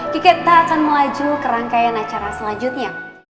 kita akan melaju ke rangkaian acara selanjutnya